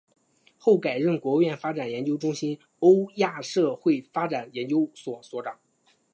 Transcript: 后改任国务院发展研究中心欧亚社会发展研究所所长。